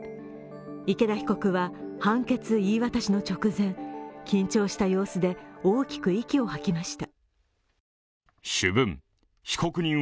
池田被告は判決言い渡したの直前、緊張した様子で大きく息を吐きました。